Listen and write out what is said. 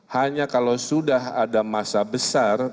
hanya kalau sudah ada masa besar